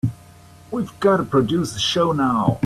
We've got to produce a show now.